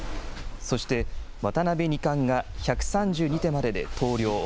そして渡辺二冠が１３２手までで投了。